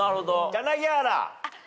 柳原。